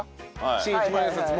新一万円札。